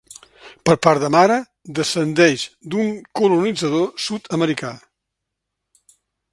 Per part de mare, descendeix d’un colonitzador sud-americà.